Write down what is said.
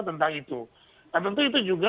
tentang itu tentu itu juga